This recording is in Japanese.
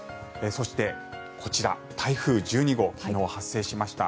そしてこちら台風１２号昨日、発生しました。